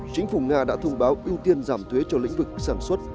chính phủ nga đã thông báo ưu tiên giảm thuế cho lĩnh vực sản xuất